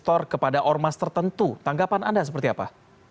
uangnya di store kepada ormas tertentu tanggapan anda seperti apa